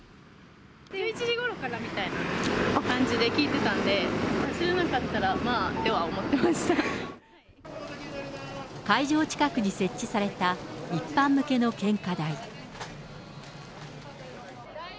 １１時ごろからみたいな感じで聞いてたんで、走れなかったら、会場近くに設置された一般向けの献花台。